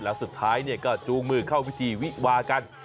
แล้วสุดท้ายก็จูงมือเข้าพิธีวิวากัน